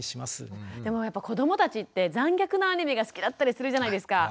でも子どもたちって残虐なアニメが好きだったりするじゃないですか。